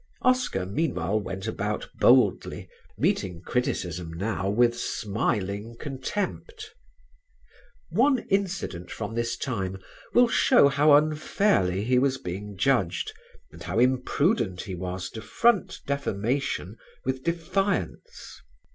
Oscar meanwhile went about boldly, meeting criticism now with smiling contempt. One incident from this time will show how unfairly he was being judged and how imprudent he was to front defamation with defiance.